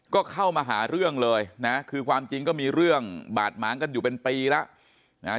ก็เข้ามาหาเรื่องเลยนะคือความจริงก็มีเรื่องบาดหมางกันอยู่เป็นปีแล้วนะฮะ